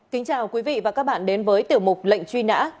kính chào quý vị và các bạn đến với tiểu mục lệnh truy nã